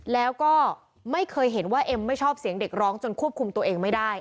แล้วก็ไม่เคยเห็นว่าเอ็มไม่ชอบเสียงเด็กร้องจนควบคุมตัวเองไม่ได้